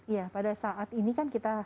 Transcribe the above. ya pada saat ini kan kita